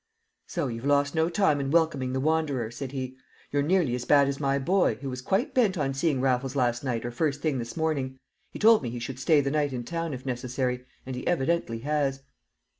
"So you've lost no time in welcoming the wanderer!" said he. "You're nearly as bad as my boy, who was quite bent on seeing Raffles last night or first thing this morning. He told me he should stay the night in town if necessary, and he evidently has."